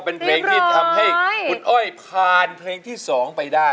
เป็นเพลงที่ทำให้คุณอ้อยผ่านเพลงที่๒ไปได้